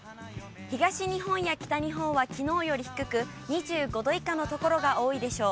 東日本や北日本はきのうより低く、２５度以下の所が多いでしょう。